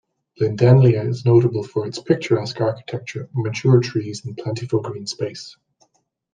Lindenlea is notable for its picturesque architecture, mature trees, and plentiful green space.